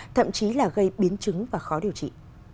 thậm chí là gây biến chứng và khó điều trị